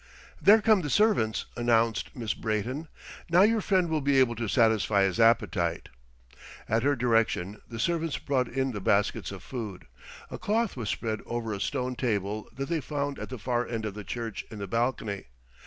"There come the servants," announced Miss Brayton. "Now your friend will be able to satisfy his appetite." At her direction the servants brought in the baskets of food. A cloth was spread over a stone table that they found at the far end of the church in the balcony.